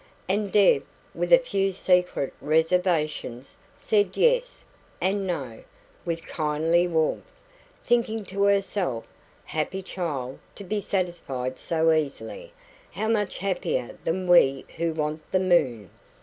And Deb, with a few secret reservations, said "Yes" and "No" with kindly warmth, thinking to herself: "Happy child, to be satisfied so easily! How much happier than we who want the moon!"